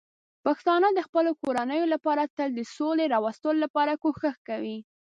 پښتانه د خپلو کورنیو لپاره تل د سولې راوستلو لپاره کوښښ کوي.